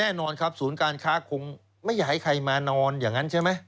แน่นอนครับศูนย์การค้าคงไม่อยากให้ใครมานอนอย่างนั้นใช่ไหม